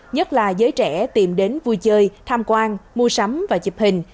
nhất là giới trẻ tìm đến vui chơi tham quan mua sắm và chụp hình